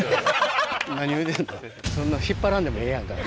そんな引っ張らんでもええやんか。